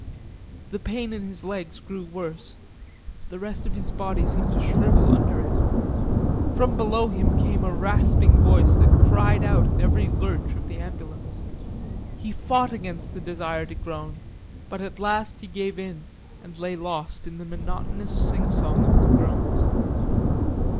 The pain in his legs grew worse; the rest of his body seemed to shrivel under it. From below him came a rasping voice that cried out at every lurch of the ambulance. He fought against the desire to groan, but at last he gave in and lay lost in the monotonous singsong of his groans.